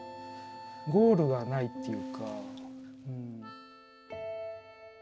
ゴールがないっていうか。